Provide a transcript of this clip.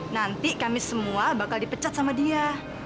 nanti kami semua bakal dipecat sama dia